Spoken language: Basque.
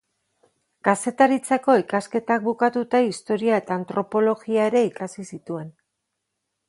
Kazetaritzako ikasketak bukatuta historia eta antropologia ere ikasi zituen.